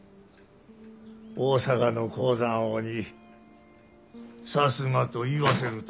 大阪の鉱山王にさすがと言わせるとは。